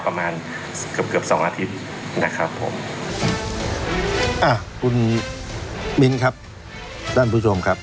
ประมาณเกือบเกือบสองอาทิตย์นะครับผมอ่ะคุณมิ้นครับท่านผู้ชมครับ